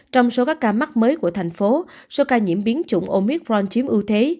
trong số các ca mắc mới của thành phố số ca nhiễm biến chủng omidron chiếm ưu thế